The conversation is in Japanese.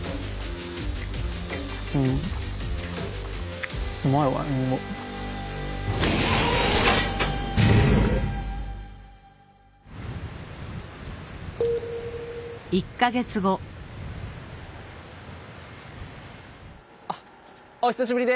うんうまいわリンゴ。お久しぶりです。